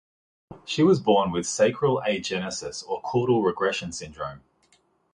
She was born with sacral agenesis or caudal regression syndrome.